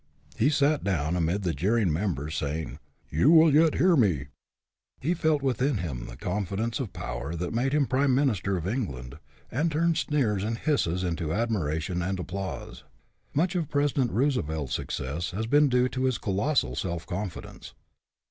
He sat down amid the jeering members, saying, " You will yet hear me." He felt within him then the confidence of power that made him prime minister of England, and turned sneers and hisses into admiration and applause. Much of President Roosevelt's success has been due to his colossal self confidence.